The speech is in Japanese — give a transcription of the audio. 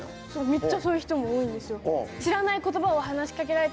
めっちゃそういう人も多いんですよ。